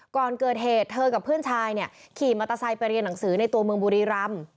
ก่อนเกิดเหตุเธอกับเพื่อนชายขี่มัตตาไซด์ไปเรียนหนังสือในตัวเมืองบุรีรัมพ์